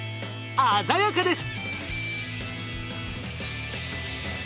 鮮やかです！